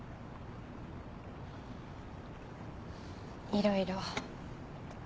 いろいろ。